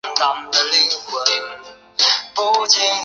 所以该译名并不准确。